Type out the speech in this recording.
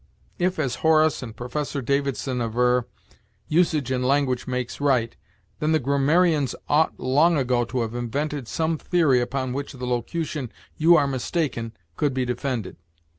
If, as Horace and Professor Davidson aver, usage in language makes right, then the grammarians ought long ago to have invented some theory upon which the locution you are mistaken could be defended.